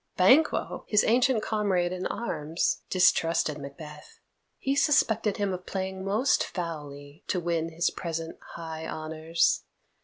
Banquo, his ancient comrade in arms, distrusted Macbeth; he suspected him of playing most foully to win his present high honours.